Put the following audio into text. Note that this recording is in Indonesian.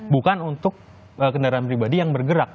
bukan untuk kendaraan pribadi yang bergerak